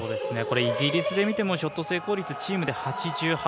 イギリスで見てもショット成功率チームで８８％。